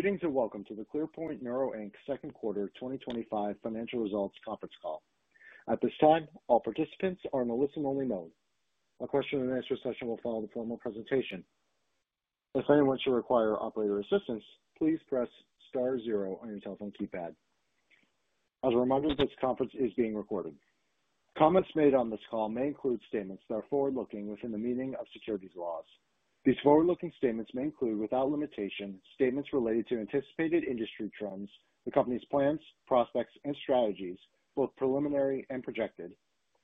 Greetings and welcome to the ClearPoint Neuro, Inc. Second Quarter 2025 Financial Results Conference Call. At this time, all participants are in a listen-only mode. A question and answer session will follow the formal presentation. If anyone should require operator assistance, please press star zero on your telephone keypad. As a reminder, this conference is being recorded. Comments made on this call may include statements that are forward-looking within the meaning of securities laws. These forward-looking statements may include, without limitation, statements related to anticipated industry trends, the company's plans, prospects, and strategies, both preliminary and projected,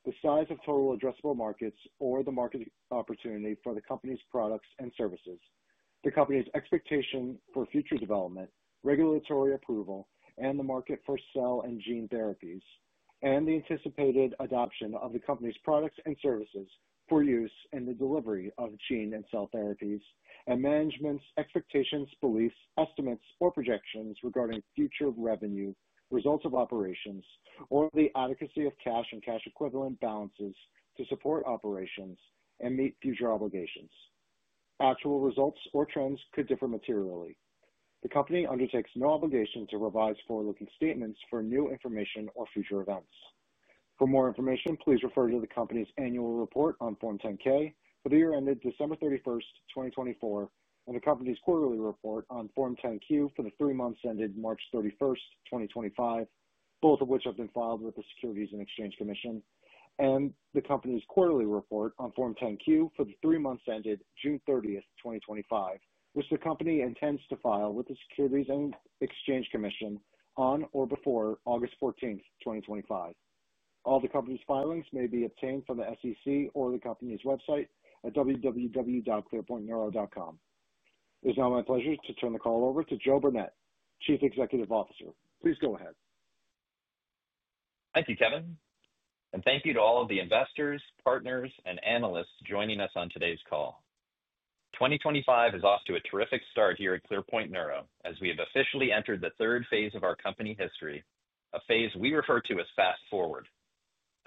the size of total addressable markets, or the market opportunity for the company's products and services, the company's expectation for future development, regulatory approval, and the market for cell and gene therapies, and the anticipated adoption of the company's products and services for use in the delivery of gene and cell therapies, and management's expectations, beliefs, estimates, or projections regarding future revenue, results of operations, or the adequacy of cash and cash equivalent balances to support operations and meet future obligations. Actual results or trends could differ materially. The company undertakes no obligation to revise forward-looking statements for new information or future events. For more information, please refer to the company's annual report on Form 10-K for the year ended December 31, 2024, and the company's quarterly report on Form 10-Q for the three months ended March 31st, 2025, both of which have been filed with the Securities and Exchange Commission, and the company's quarterly report on Form 10-Q for the three months ended June 30th, 2025, which the company intends to file with the Securities and Exchange Commission on or before August 14th, 2025. All the company's filings may be obtained from the SEC or the company's website at www.clearpointneuro.com. It is now my pleasure to turn the call over to Joe Burnett, Chief Executive Officer. Please go ahead. Thank you, Kevin, and thank you to all of the investors, partners, and analysts joining us on today's call. 2025 is off to a terrific start here at ClearPoint Neuro as we have officially entered the third phase of our company history, a phase we refer to as Fast Forward.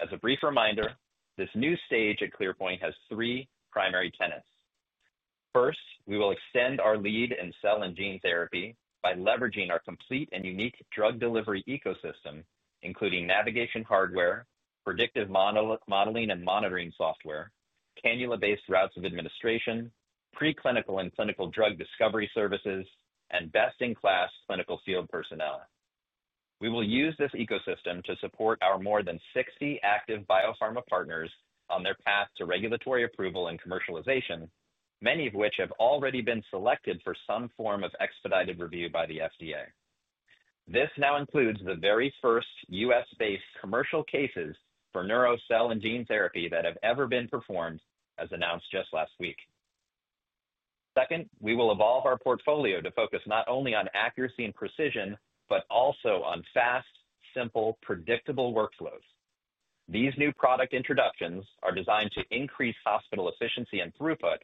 As a brief reminder, this new stage at ClearPoint has three primary tenets. First, we will extend our lead in cell and gene therapy by leveraging our complete and unique drug delivery ecosystem, including navigation hardware, predictive modeling and monitoring software, cannula-based routes of administration, preclinical and clinical drug discovery services, and best-in-class clinical field personnel. We will use this ecosystem to support our more than 60 active biopharma partners on their path to regulatory approval and commercialization, many of which have already been selected for some form of expedited review by the FDA. This now includes the very first U.S.-based commercial cases for neurocell and gene therapy that have ever been performed, as announced just last week. Second, we will evolve our portfolio to focus not only on accuracy and precision, but also on fast, simple, predictable workflows. These new product introductions are designed to increase hospital efficiency and throughput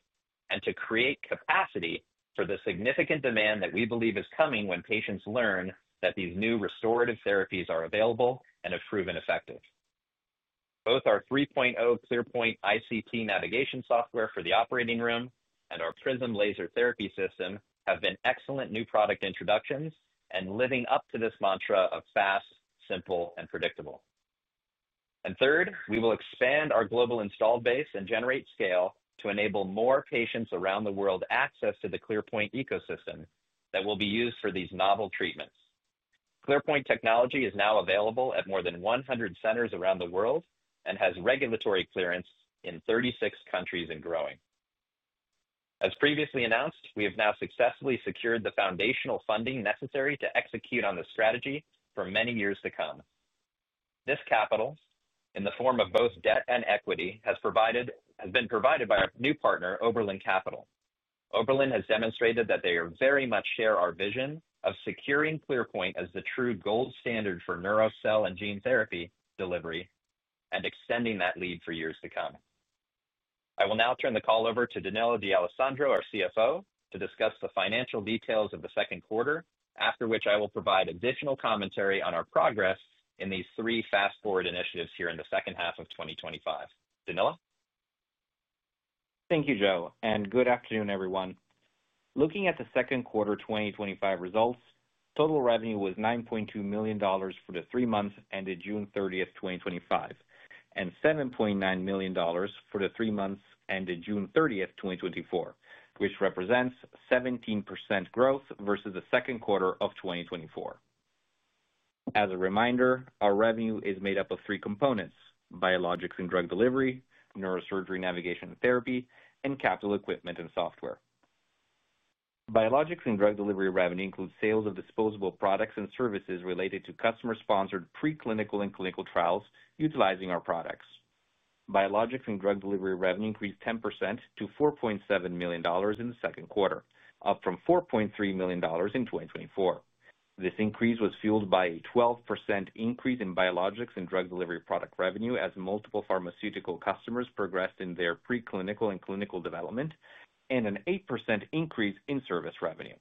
and to create capacity for the significant demand that we believe is coming when patients learn that these new restorative therapies are available and have proven effective. Both our 3.0 ClearPoint ICT navigation software for the operating room and our Prism Laser Therapy system have been excellent new product introductions and living up to this mantra of fast, simple, and predictable. Third, we will expand our global installed base and generate scale to enable more patients around the world access to the ClearPoint ecosystem that will be used for these novel treatments. ClearPoint technology is now available at more than 100 centers around the world and has regulatory clearance in 36 countries and growing. As previously announced, we have now successfully secured the foundational funding necessary to execute on this strategy for many years to come. This capital, in the form of both debt and equity, has been provided by our new partner, Oberlin Capital. Oberlin has demonstrated that they very much share our vision of securing ClearPoint as the true gold standard for neurocell and gene therapy delivery and extending that lead for years to come. I will now turn the call over to Danilo D'Alessandro, our CFO, to discuss the financial details of the second quarter, after which I will provide additional commentary on our progress in these three fast-forward initiatives here in the second half of 2025. Danilo? Thank you, Joe, and good afternoon, everyone. Looking at the second quarter 2025 results, total revenue was $9.2 million for the three months ended June 30th, 2025, and $7.9 million for the three months ended June 30th, 2024, which represents 17% growth versus the second quarter of 2024. As a reminder, our revenue is made up of three components: biologics and drug delivery, neurosurgery navigation and therapy, and capital equipment and software. Biologics and drug delivery revenue includes sales of disposable products and services related to customer-sponsored preclinical and clinical trials utilizing our products. Biologics and drug delivery revenue increased 10% to $4.7 million in the second quarter, up from $4.3 million in 2024. This increase was fueled by a 12% increase in biologics and drug delivery product revenue as multiple pharmaceutical customers progressed in their preclinical and clinical development, and an 8% increase in service revenue.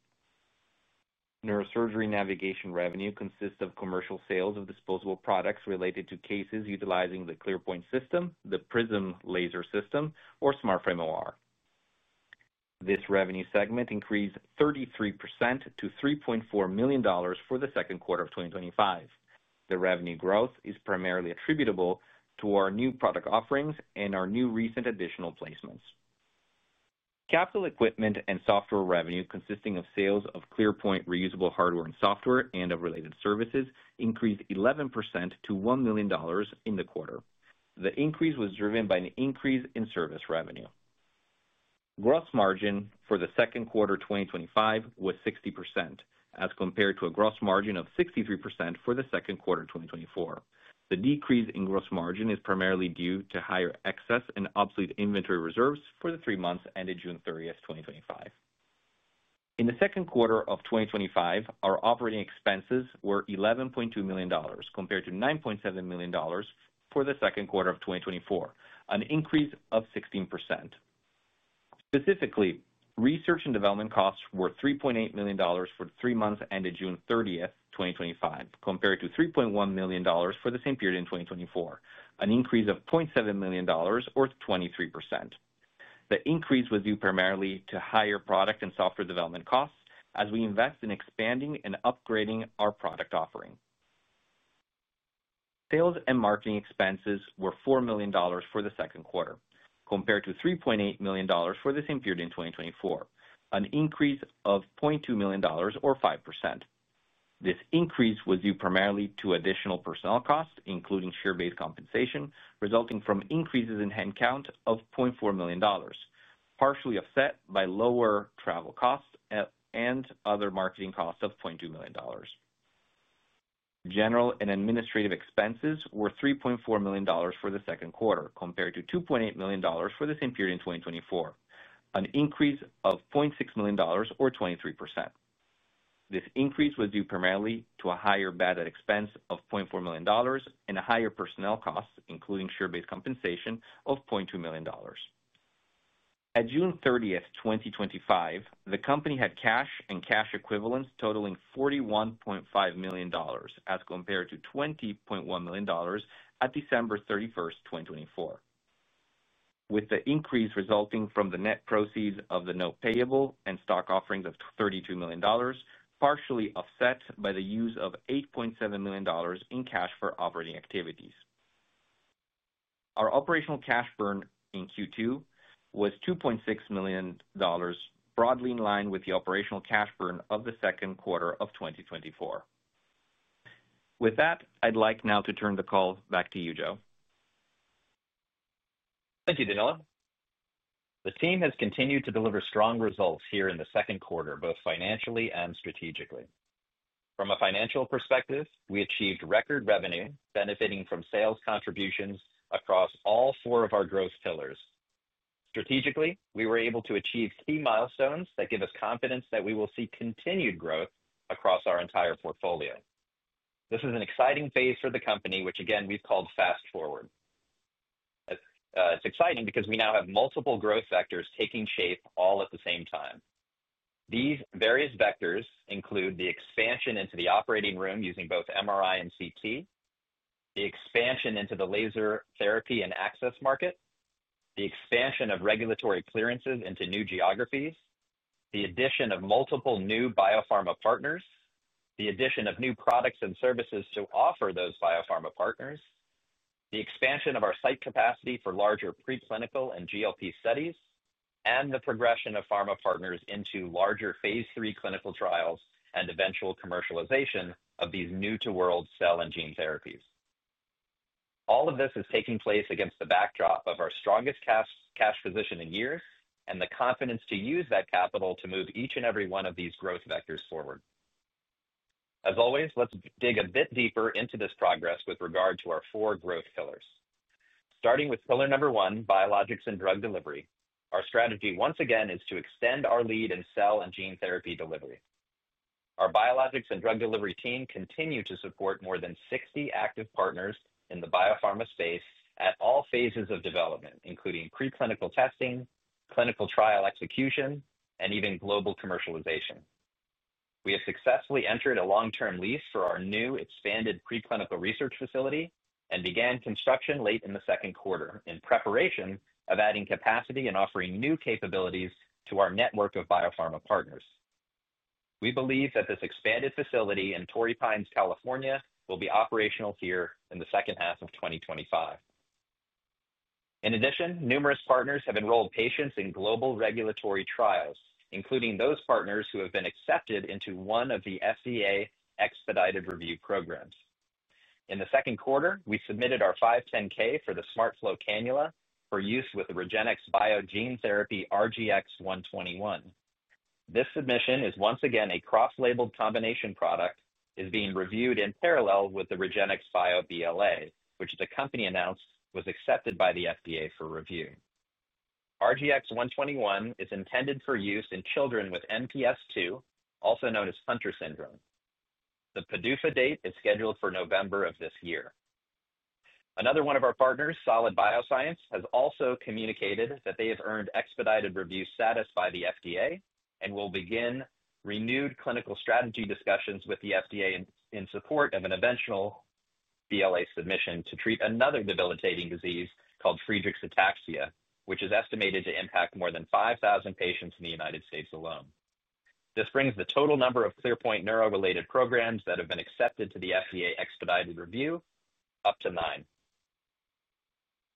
Neurosurgery navigation revenue consists of commercial sales of disposable products related to cases utilizing the ClearPoint system, the Prism Laser system, or SmartFrame OR. This revenue segment increased 33% to $3.4 million for the second quarter of 2025. The revenue growth is primarily attributable to our new product offerings and our new recent additional placements. Capital equipment and software revenue consisting of sales of ClearPoint reusable hardware and software and of related services increased 11% to $1 million in the quarter. The increase was driven by an increase in service revenue. Gross margin for the second quarter 2025 was 60%, as compared to a gross margin of 63% for the second quarter 2024. The decrease in gross margin is primarily due to higher excess and obsolete inventory reserves for the three months ended June 30th, 2025. In the second quarter of 2025, our operating expenses were $11.2 million compared to $9.7 million for the second quarter of 2024, an increase of 16%. Specifically, research and development costs were $3.8 million for the three months ended June 30th, 2025, compared to $3.1 million for the same period in 2024, an increase of $0.7 million or 23%. The increase was due primarily to higher product and software development costs as we invest in expanding and upgrading our product offering. Sales and marketing expenses were $4 million for the second quarter, compared to $3.8 million for the same period in 2024, an increase of $0.2 million or 5%. This increase was due primarily to additional personnel costs, including share-based compensation, resulting from increases in headcount of $0.4 million, partially offset by lower travel costs and other marketing costs of $0.2 million. General and administrative expenses were $3.4 million for the second quarter, compared to $2.8 million for the same period in 2024, an increase of $0.6 million or 23%. This increase was due primarily to a higher bad debt expense of $0.4 million and a higher personnel cost, including share-based compensation of $0.2 million. At June 30th, 2025, the company had cash and cash equivalents totaling $41.5 million as compared to $20.1 million at December 31, 2024, with the increase resulting from the net proceeds of the note payable and stock offerings of $32 million, partially offset by the use of $8.7 million in cash for operating activities. Our operational cash burn in Q2 was $2.6 million, broadly in line with the operational cash burn of the second quarter of 2024. With that, I'd like now to turn the call back to you, Joe. Thank you, Danilo. The team has continued to deliver strong results here in the second quarter, both financially and strategically. From a financial perspective, we achieved record revenue, benefiting from sales contributions across all four of our growth pillars. Strategically, we were able to achieve key milestones that give us confidence that we will see continued growth across our entire portfolio. This is an exciting phase for the company, which again we've called Fast Forward. It's exciting because we now have multiple growth vectors taking shape all at the same time. These various vectors include the expansion into the operating room using both MRI and CT, the expansion into the laser therapy and access market, the expansion of regulatory clearances into new geographies, the addition of multiple new biopharma partners, the addition of new products and services to offer those biopharma partners, the expansion of our site capacity for larger preclinical and GLP studies, and the progression of pharma partners into larger phase three clinical trials and eventual commercialization of these new-to-world cell and gene therapies. All of this is taking place against the backdrop of our strongest cash position in years and the confidence to use that capital to move each and every one of these growth vectors forward. As always, let's dig a bit deeper into this progress with regard to our four growth pillars. Starting with pillar number one, biologics and drug delivery, our strategy once again is to extend our lead in cell and gene therapy delivery. Our biologics and drug delivery team continues to support more than 60 active partners in the biopharma space at all phases of development, including preclinical testing, clinical trial execution, and even global commercialization. We have successfully entered a long-term lease for our new expanded preclinical research facility and began construction late in the second quarter in preparation of adding capacity and offering new capabilities to our network of biopharma partners. We believe that this expanded facility in Torrey Pines, California, will be operational here in the second half of 2025. In addition, numerous partners have enrolled patients in global regulatory trials, including those partners who have been accepted into one of the FDA expedited review programs. In the second quarter, we submitted our 510K for the SmartFlow cannula for use with the Regenxbio gene therapy RGX-121. This submission is once again a cross-labeled combination product, is being reviewed in parallel with the Regenxbio BLA, which the company announced was accepted by the FDA for review. RGX-121 is intended for use in children with NPS2, also known as Hunter syndrome. The PDUFA date is scheduled for November of this year. Another one of our partners, Solid Biosciences, has also communicated that they have earned expedited review status by the FDA and will begin renewed clinical strategy discussions with the FDA in support of an eventual BLA submission to treat another debilitating disease called Friedreich's ataxia, which is estimated to impact more than 5,000 patients in the United States alone. This brings the total number of ClearPoint Neuro related programs that have been accepted to the FDA expedited review up to nine.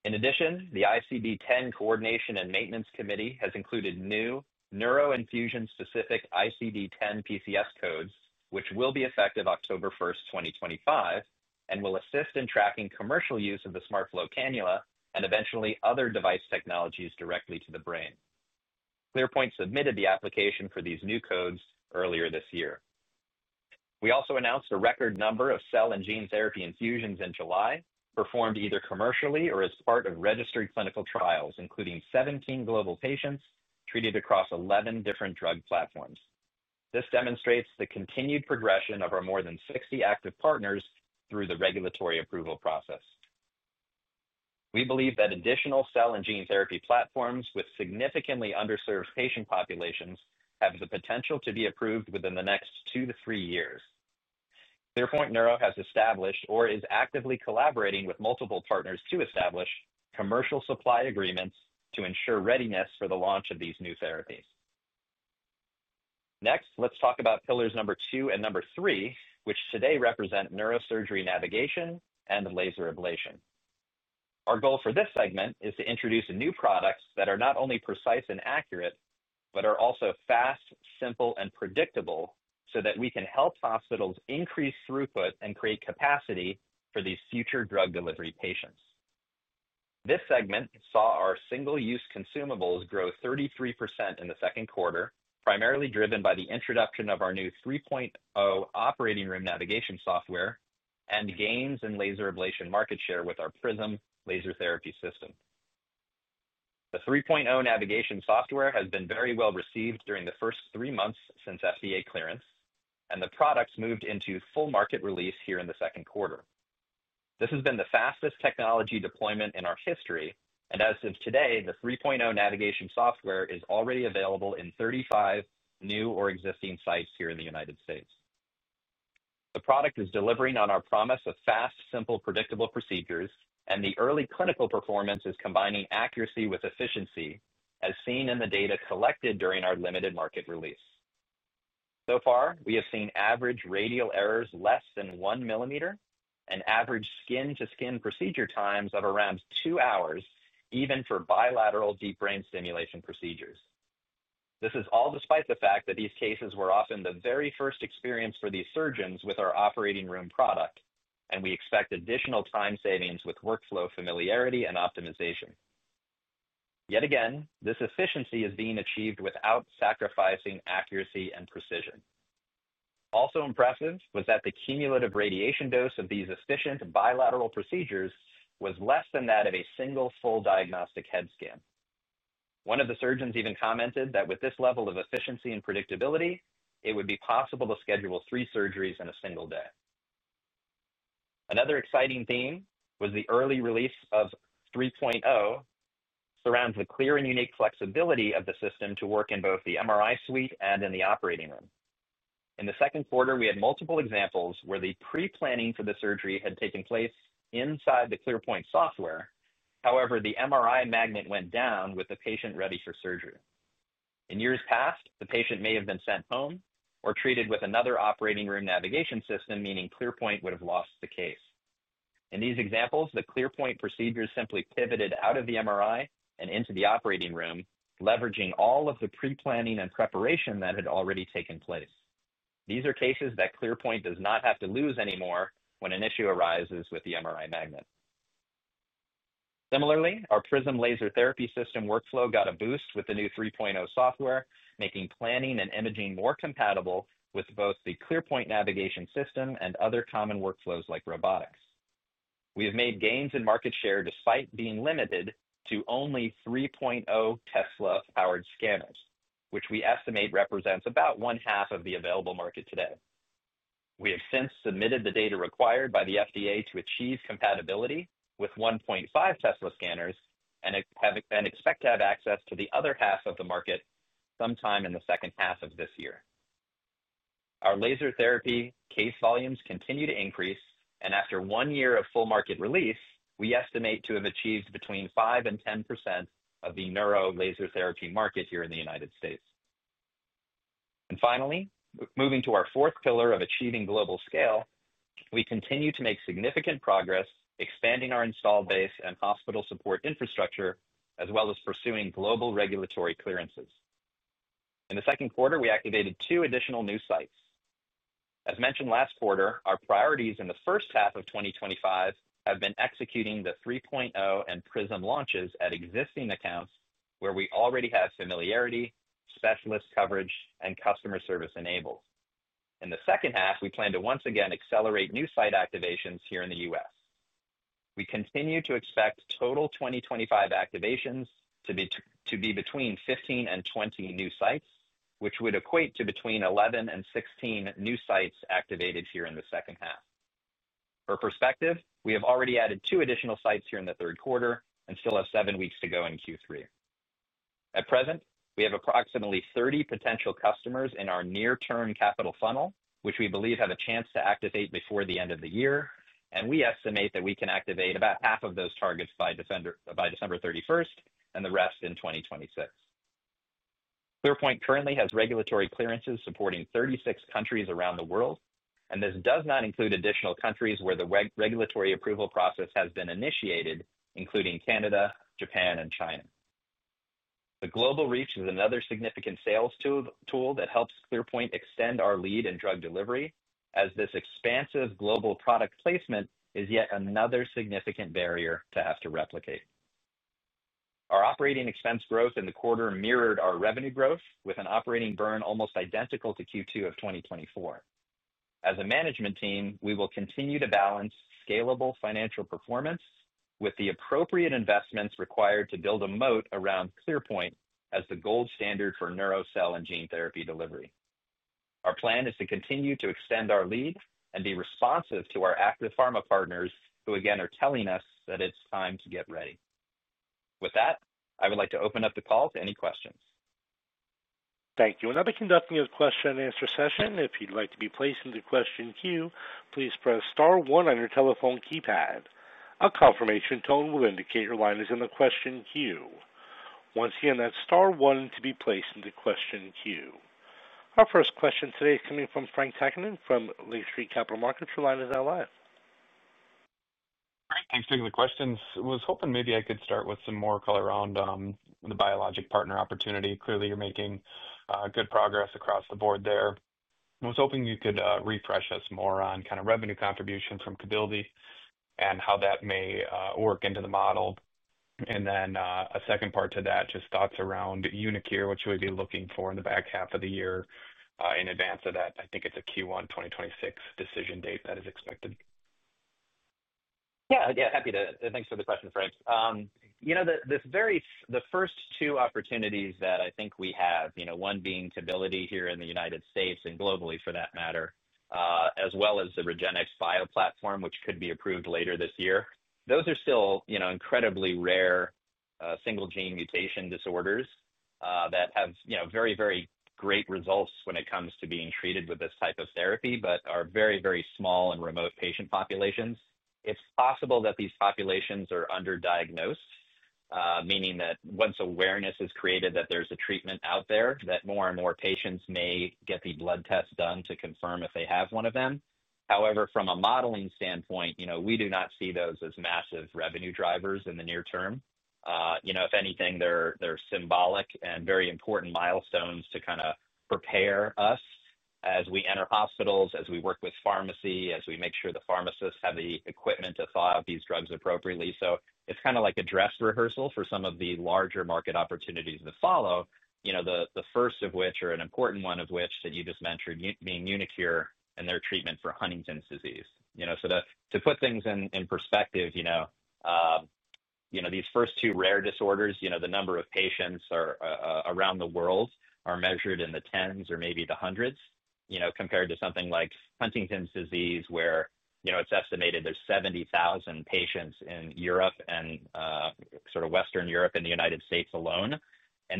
In addition, the ICD-10 coordination and maintenance committee has included new neuro infusion-specific ICD-10 PCS codes, which will be effective October 1, 2025, and will assist in tracking commercial use of the SmartFlow cannula and eventually other device technologies directly to the brain. ClearPoint submitted the application for these new codes earlier this year. We also announced a record number of cell and gene therapy infusions in July, performed either commercially or as part of registered clinical trials, including 17 global patients treated across 11 different drug platforms. This demonstrates the continued progression of our more than 60 active partners through the regulatory approval process. We believe that additional cell and gene therapy platforms with significantly underserved patient populations have the potential to be approved within the next two to three years. ClearPoint Neuro has established or is actively collaborating with multiple partners to establish commercial supply agreements to ensure readiness for the launch of these new therapies. Next, let's talk about pillars number two and number three, which today represent neurosurgery navigation and laser ablation. Our goal for this segment is to introduce new products that are not only precise and accurate, but are also fast, simple, and predictable so that we can help hospitals increase throughput and create capacity for these future drug delivery patients. This segment saw our single-use consumables grow 33% in the second quarter, primarily driven by the introduction of our new 3.0 operating and navigation software and gains in laser ablation market share with our Prism Laser Therapy system. The 3.0 navigation software has been very well received during the first three months since FDA clearance, and the product moved into full market release here in the second quarter. This has been the fastest technology deployment in our history, and as of today, the 3.0 navigation software is already available in 35 new or existing sites here in the United States. The product is delivering on our promise of fast, simple, predictable procedures, and the early clinical performance is combining accuracy with efficiency, as seen in the data collected during our limited market release. We have seen average radial errors less than one millimeter and average skin-to-skin procedure times of around two hours, even for bilateral deep brain stimulation procedures. This is all despite the fact that these cases were often the very first experience for these surgeons with our operating room product, and we expect additional time savings with workflow familiarity and optimization. This efficiency is being achieved without sacrificing accuracy and precision. Also impressive was that the cumulative radiation dose of these efficient bilateral procedures was less than that of a single full diagnostic head scan. One of the surgeons even commented that with this level of efficiency and predictability, it would be possible to schedule three surgeries in a single day. Another exciting theme was the early release of 3.0, which surrounds the clear and unique flexibility of the system to work in both the MRI suite and in the operating room. In the second quarter, we had multiple examples where the pre-planning for the surgery had taken place inside the ClearPoint software. However, the MRI magnet went down with the patient ready for surgery. In years past, the patient may have been sent home or treated with another operating room navigation system, meaning ClearPoint would have lost the case. In these examples, the ClearPoint procedures simply pivoted out of the MRI and into the operating room, leveraging all of the pre-planning and preparation that had already taken place. These are cases that ClearPoint does not have to lose anymore when an issue arises with the MRI magnet. Similarly, our Prism Laser Therapy system workflow got a boost with the new 3.0 software, making planning and imaging more compatible with both the ClearPoint navigation system and other common workflows like robotics. We have made gains in market share despite being limited to only 3.0 Tesla-powered scanners, which we estimate represents about one half of the available market today. We have since submitted the data required by the FDA to achieve compatibility with 1.5 Tesla scanners and have been expected to have access to the other half of the market sometime in the second half of this year. Our laser therapy case volumes continue to increase, and after one year of full market release, we estimate to have achieved between 5%-10% of the neuro-laser therapy market here in the United States. Finally, moving to our fourth pillar of achieving global scale, we continue to make significant progress expanding our installed base and hospital support infrastructure, as well as pursuing global regulatory clearances. In the second quarter, we activated two additional new sites. As mentioned last quarter, our priorities in the first half of 2025 have been executing the 3.0 and Prism launches at existing accounts where we already have familiarity, specialist coverage, and customer service enabled. In the second half, we plan to once again accelerate new site activations here in the U.S. We continue to expect total 2025 activations to be between 15-20 new sites, which would equate to between 11-16 new sites activated here in the second half. For perspective, we have already added two additional sites here in the third quarter and still have seven weeks to go in Q3. At present, we have approximately 30 potential customers in our near-term capital funnel, which we believe have a chance to activate before the end of the year, and we estimate that we can activate about half of those targets by December 31 and the rest in 2026. ClearPoint currently has regulatory clearances supporting 36 countries around the world, and this does not include additional countries where the regulatory approval process has been initiated, including Canada, Japan, and China. The global reach is another significant sales tool that helps ClearPoint extend our lead in drug delivery, as this expansive global product placement is yet another significant barrier to have to replicate. Our operating expense growth in the quarter mirrored our revenue growth, with an operating burn almost identical to Q2 of 2024. As a management team, we will continue to balance scalable financial performance with the appropriate investments required to build a moat around ClearPoint as the gold standard for neurocell and gene therapy delivery. Our plan is to continue to extend our lead and be responsive to our active pharma partners who, again, are telling us that it's time to get ready. With that, I would like to open up the call to any questions. Thank you. I'll be conducting a question and answer session. If you'd like to be placed into the question queue, please press star one on your telephone keypad. A confirmation tone will indicate your line is in the question queue. Once again, that's star one to be placed into the question queue. Our first question today is coming from Frank Takkinen from Lake Street Capital Markets, the line is all yours. Thanks for taking the questions. I was hoping maybe I could start with some more color around the biologics and drug delivery partner opportunity. Clearly, you're making good progress across the board there. I was hoping you could refresh us more on kind of revenue contribution from Qbility and how that may work into the model. A second part to that, just thoughts around UniQure, what you would be looking for in the back half of the year in advance of that. I think it's a Q1 2026 decision date that is expected. Yeah, happy to. Thanks for the question, Frank. The first two opportunities that I think we have, one being Qbility here in the United States and globally for that matter, as well as the Regenxbio platform, which could be approved later this year, those are still incredibly rare single gene mutation disorders that have very, very great results when it comes to being treated with this type of therapy, but are very, very small and remote patient populations. It's possible that these populations are underdiagnosed, meaning that once awareness is created, that there's a treatment out there, more and more patients may get the blood test done to confirm if they have one of them. However, from a modeling standpoint, we do not see those as massive revenue drivers in the near term. If anything, they're symbolic and very important milestones to kind of prepare us as we enter hospitals, as we work with pharmacy, as we make sure the pharmacists have the equipment to thaw out these drugs appropriately. It's kind of like a dress rehearsal for some of the larger market opportunities that follow, the first of which, or an important one of which, that you just mentioned, being UniQure and their treatment for Huntington's disease. To put things in perspective, these first two rare disorders, the number of patients around the world are measured in the tens or maybe the hundreds, compared to something like Huntington's disease, where it's estimated there's 70,000 patients in Europe and sort of Western Europe and the United States alone.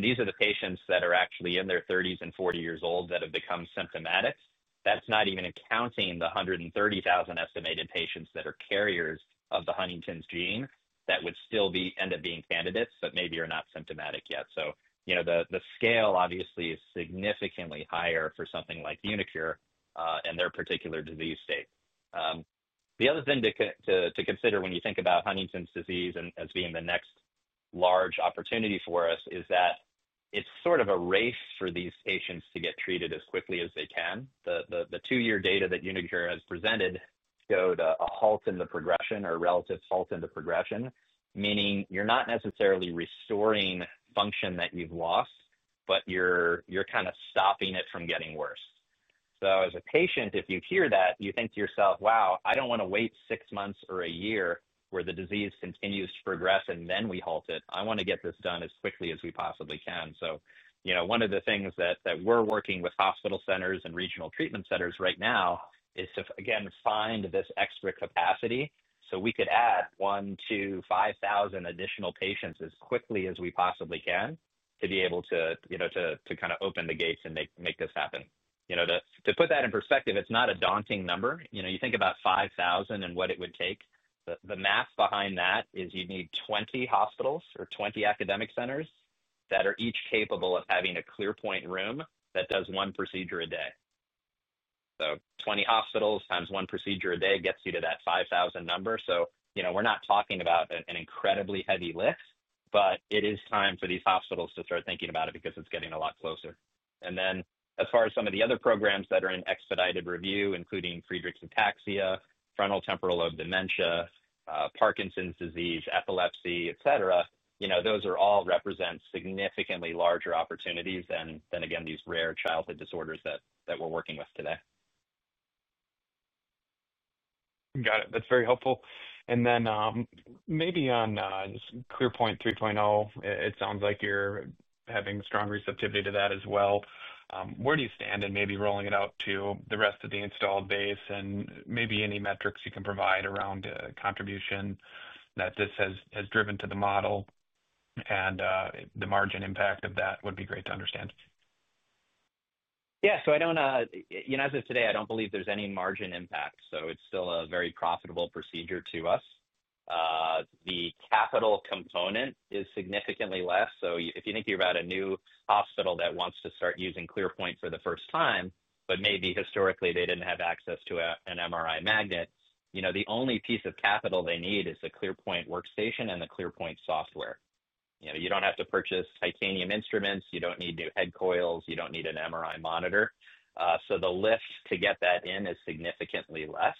These are the patients that are actually in their 30s and 40 years old that have become symptomatic. That's not even counting the 130,000 estimated patients that are carriers of the Huntington's gene that would still end up being candidates that maybe are not symptomatic yet. The scale obviously is significantly higher for something like UniQure and their particular disease state. The other thing to consider when you think about Huntington's disease as being the next large opportunity for us is that it's sort of a race for these patients to get treated as quickly as they can. The two-year data that UniQure has presented shows a halt in the progression or a relative halt in the progression, meaning you're not necessarily restoring function that you've lost, but you're kind of stopping it from getting worse. As a patient, if you hear that, you think to yourself, wow, I don't want to wait six months or a year where the disease continues to progress and then we halt it. I want to get this done as quickly as we possibly can. One of the things that we're working with hospital centers and regional treatment centers right now is to, again, find this extra capacity so we could add one, two, 5,000 additional patients as quickly as we possibly can to be able to, you know, to kind of open the gates and make this happen. To put that in perspective, it's not a daunting number. You think about 5,000 and what it would take. The math behind that is you'd need 20 hospitals or 20 academic centers that are each capable of having a ClearPoint room that does one procedure a day. 20 hospitals times one procedure a day gets you to that 5,000 number. We're not talking about an incredibly heavy lift, but it is time for these hospitals to start thinking about it because it's getting a lot closer. As far as some of the other programs that are in expedited FDA review, including Friedreich's ataxia, frontotemporal lobe dementia, Parkinson's disease, epilepsy, et cetera, those all represent significantly larger opportunities than, again, these rare childhood disorders that we're working with today. Got it. That's very helpful. Maybe on ClearPoint 3.0, it sounds like you're having strong receptivity to that as well. Where do you stand in maybe rolling it out to the rest of the installed base, and maybe any metrics you can provide around contribution that this has driven to the model and the margin impact of that would be great to understand. Yeah, I don't, as of today, believe there's any margin impact. It's still a very profitable procedure to us. The capital component is significantly less. If you think you've got a new hospital that wants to start using ClearPoint for the first time, but maybe historically they didn't have access to an MRI magnet, the only piece of capital they need is the ClearPoint workstation and the ClearPoint software. You don't have to purchase titanium instruments, you don't need new head coils, you don't need an MRI monitor. The lift to get that in is significantly less.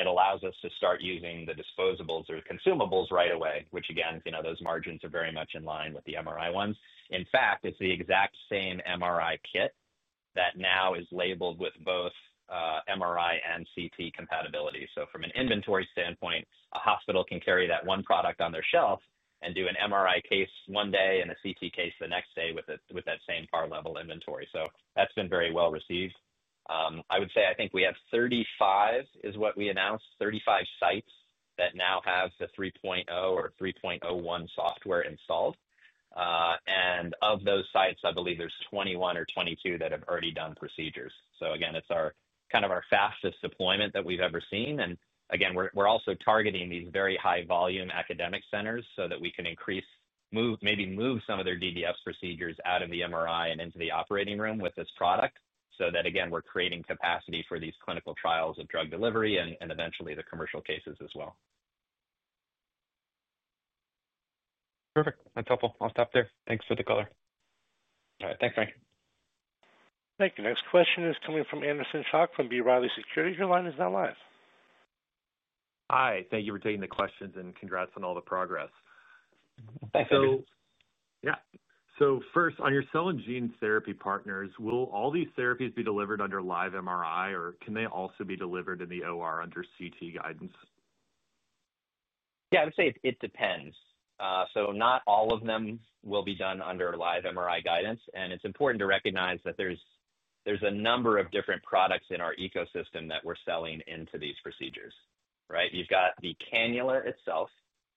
It allows us to start using the disposables or the consumables right away, which again, those margins are very much in line with the MRI ones. In fact, it's the exact same MRI kit that now is labeled with both MRI and CT compatibility. From an inventory standpoint, a hospital can carry that one product on their shelf and do an MRI case one day and a CT case the next day with that same bar level inventory. That's been very well received. I would say I think we have 35, is what we announced, 35 sites that now have the 3.0 or 3.01 software installed. Of those sites, I believe there's 21 or 22 that have already done procedures. It's kind of our fastest deployment that we've ever seen. We're also targeting these very high volume academic centers so that we can increase, maybe move some of their DDF procedures out of the MRI and into the operating room with this product. That way, we're creating capacity for these clinical trials of drug delivery and eventually the commercial cases as well. Perfect. That's helpful. I'll stop there. Thanks for the color. All right. Thanks, Frank. Thank you. Next question is coming from Anderson Schock from B. Riley Securities. The line is all yours. Hi, thank you for taking the questions and congrats on all the progress. Thank you. Yeah. First, on your cell and gene therapy partners, will all these therapies be delivered under live MRI or can they also be delivered in the OR under CT guidance? Yeah, I would say it depends. Not all of them will be done under live MRI guidance. It's important to recognize that there's a number of different products in our ecosystem that we're selling into these procedures, right? You've got the cannula itself.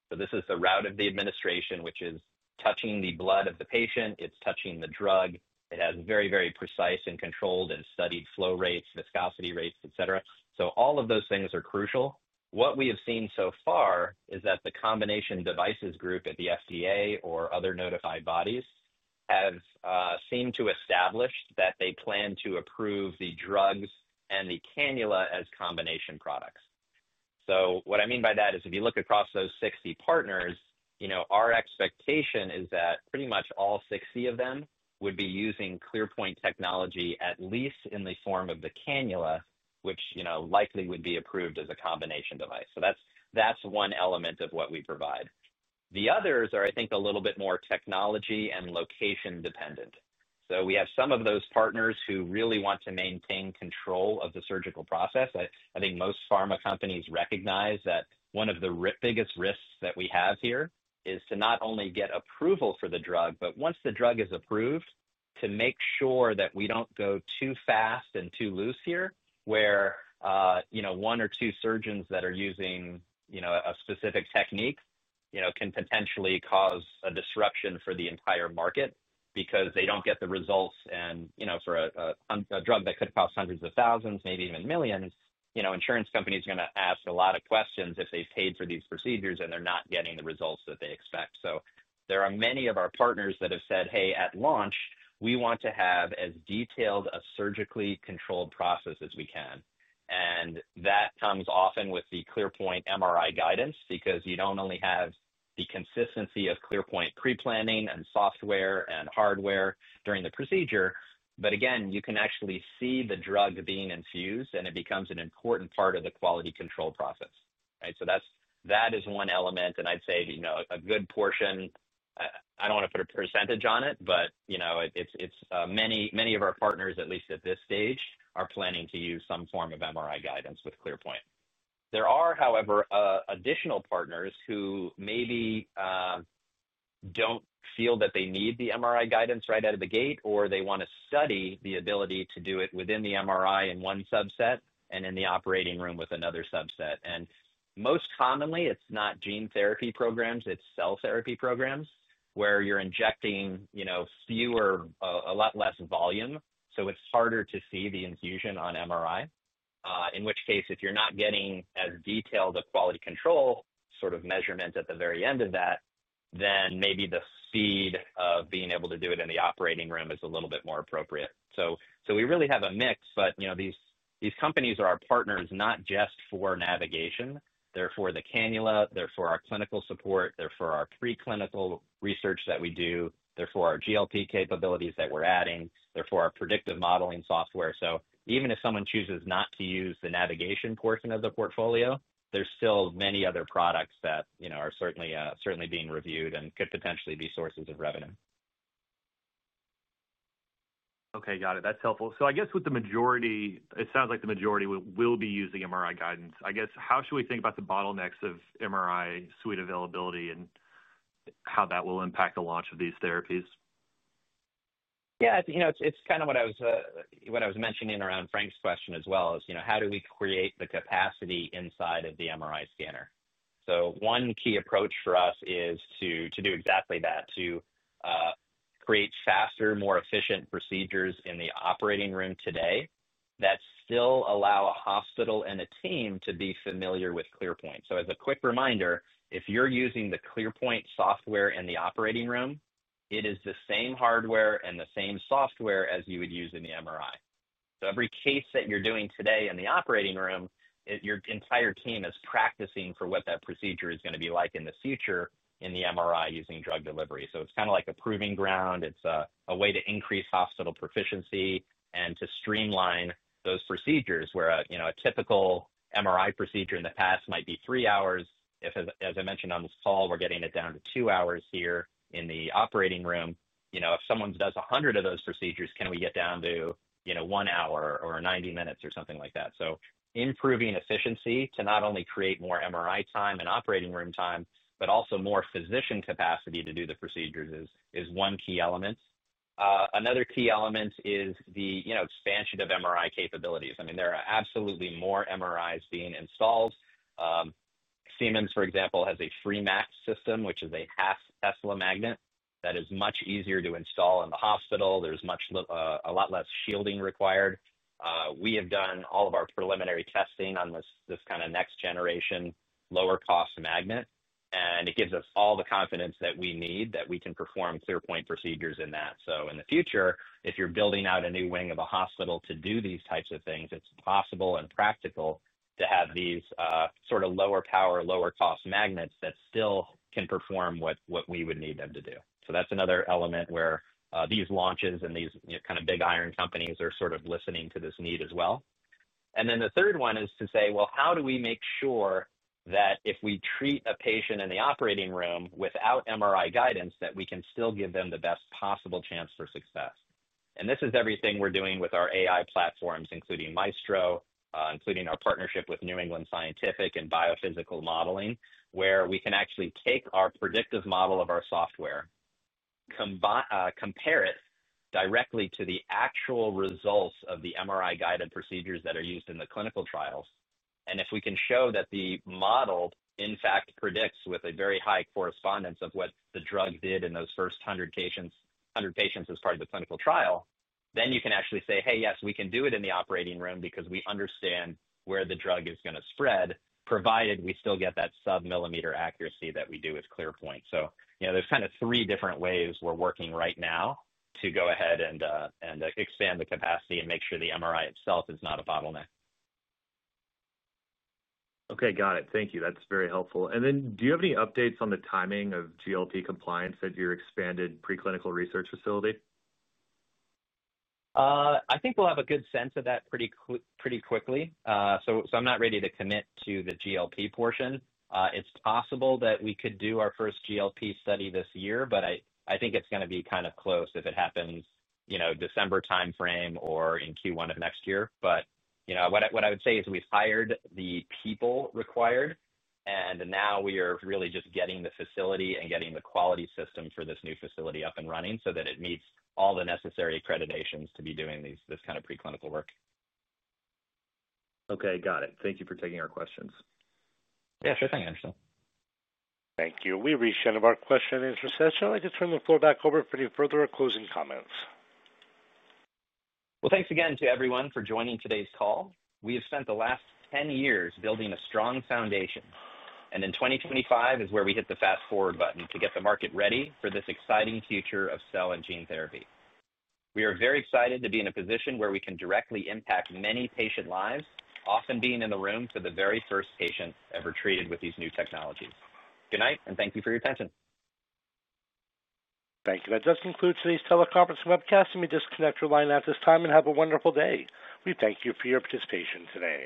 This is the route of the administration, which is touching the blood of the patient. It's touching the drug. It has very, very precise and controlled and studied flow rates, viscosity rates, et cetera. All of those things are crucial. What we have seen so far is that the combination devices group at the FDA or other notified bodies have seemed to establish that they plan to approve the drugs and the cannula as combination products. What I mean by that is if you look across those 60 partners, our expectation is that pretty much all 60 of them would be using ClearPoint technology at least in the form of the cannula, which likely would be approved as a combination device. That's one element of what we provide. The others are, I think, a little bit more technology and location dependent. We have some of those partners who really want to maintain control of the surgical process. I think most pharma companies recognize that one of the biggest risks that we have here is to not only get approval for the drug, but once the drug is approved, to make sure that we don't go too fast and too loose here, where one or two surgeons that are using a specific technique can potentially cause a disruption for the entire market because they don't get the results. For a drug that could cost hundreds of thousands, maybe even millions, insurance companies are going to ask a lot of questions if they've paid for these procedures and they're not getting the results that they expect. There are many of our partners that have said, "Hey, at launch, we want to have as detailed a surgically controlled process as we can." That comes often with the ClearPoint MRI guidance because you don't only have the consistency of ClearPoint pre-planning and software and hardware during the procedure, but again, you can actually see the drug being infused and it becomes an important part of the quality control process. That is one element. I'd say, you know, a good portion, I don't want to put a percentage on it, but it's many, many of our partners, at least at this stage, are planning to use some form of MRI guidance with ClearPoint. There are, however, additional partners who maybe don't feel that they need the MRI guidance right out of the gate or they want to study the ability to do it within the MRI in one subset and in the operating room with another subset. Most commonly, it's not gene therapy programs, it's cell therapy programs where you're injecting fewer, a lot less volume. It's harder to see the infusion on MRI, in which case, if you're not getting as detailed a quality control sort of measurement at the very end of that, then maybe the speed of being able to do it in the operating room is a little bit more appropriate. We really have a mix, but these companies are our partners not just for navigation, they're for the cannula, they're for our clinical support, they're for our preclinical research that we do, they're for our GLP-compliant capabilities that we're adding, they're for our predictive modeling software. Even if someone chooses not to use the navigation portion of the portfolio, there's still many other products that are certainly being reviewed and could potentially be sources of revenue. Okay, got it. That's helpful. I guess with the majority, it sounds like the majority will be using MRI guidance. How should we think about the bottlenecks of MRI suite availability and how that will impact the launch of these therapies? Yeah, you know, it's kind of what I was mentioning around Frank's question as well, is, you know, how do we create the capacity inside of the MRI scanner? One key approach for us is to do exactly that, to create faster, more efficient procedures in the operating room today that still allow a hospital and a team to be familiar with ClearPoint. As a quick reminder, if you're using the ClearPoint software in the operating room, it is the same hardware and the same software as you would use in the MRI. Every case that you're doing today in the operating room, your entire team is practicing for what that procedure is going to be like in the future in the MRI using drug delivery. It's kind of like a proving ground. It's a way to increase hospital proficiency and to streamline those procedures where, you know, a typical MRI procedure in the past might be three hours. As I mentioned on this call, we're getting it down to two hours here in the operating room. You know, if someone does a hundred of those procedures, can we get down to, you know, one hour or 90 minutes or something like that? Improving efficiency to not only create more MRI time and operating room time, but also more physician capacity to do the procedures is one key element. Another key element is the expansion of MRI capabilities. I mean, there are absolutely more MRIs being installed. Siemens, for example, has a FreeMax system, which is a half Tesla magnet that is much easier to install in the hospital. There's a lot less shielding required. We have done all of our preliminary testing on this kind of next generation lower cost magnet, and it gives us all the confidence that we need that we can perform ClearPoint procedures in that. In the future, if you're building out a new wing of a hospital to do these types of things, it's possible and practical to have these sort of lower power, lower cost magnets that still can perform what we would need them to do. That's another element where these launches and these kind of big iron companies are sort of listening to this need as well. The third one is to say, how do we make sure that if we treat a patient in the operating room without MRI guidance, that we can still give them the best possible chance for success? This is everything we're doing with our AI platforms, including Maestro, including our partnership with New England Scientific and Biophysical Modeling, where we can actually take our predictive model of our software, compare it directly to the actual results of the MRI-guided procedures that are used in the clinical trials. If we can show that the model, in fact, predicts with a very high correspondence of what the drug did in those first 100 patients as part of the clinical trial, then you can actually say, hey, yes, we can do it in the operating room because we understand where the drug is going to spread, provided we still get that sub-millimeter accuracy that we do with ClearPoint. There are kind of three different ways we're working right now to go ahead and expand the capacity and make sure the MRI itself is not a bottleneck. Okay, got it. Thank you. That's very helpful. Do you have any updates on the timing of GLP compliance at your expanded preclinical research facility? I think we'll have a good sense of that pretty quickly. I'm not ready to commit to the GLP portion. It's possible that we could do our first GLP study this year, but I think it's going to be kind of close if it happens, you know, December timeframe or in Q1 of next year. What I would say is we've hired the people required, and now we are really just getting the facility and getting the quality system for this new facility up and running so that it meets all the necessary accreditations to be doing this kind of preclinical work. Okay, got it. Thank you for taking our questions. Yeah, sure thing, Anderson Schock. Thank you. We reached the end of our question and answer session. I just turn the floor back over for any further or closing comments. Thank you again to everyone for joining today's call. We have spent the last 10 years building a strong foundation, and in 2025 is where we hit the fast forward button to get the market ready for this exciting future of cell and gene therapy. We are very excited to be in a position where we can directly impact many patient lives, often being in the room for the very first patient ever treated with these new technologies. Good night, and thank you for your attention. Thank you. That does conclude today's teleconference webcast. Let me disconnect your line at this time and have a wonderful day. We thank you for your participation today.